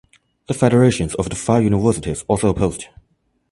The federations of the five universities also opposed.